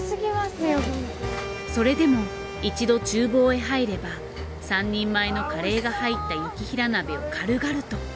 それでも一度厨房へ入れば３人前のカレーが入った雪平鍋を軽々と。